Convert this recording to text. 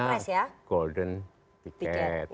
punya golden picket